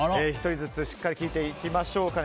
１人ずつしっかり聞いていきましょう。